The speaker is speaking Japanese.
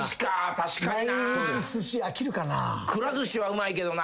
確かにな。